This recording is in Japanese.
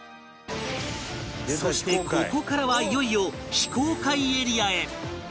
そしてここからはいよいよ非公開エリアへ